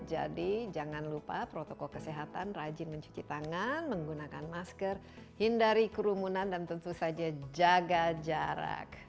jadi jangan lupa protokol kesehatan rajin mencuci tangan menggunakan masker hindari kerumunan dan tentu saja jaga jarak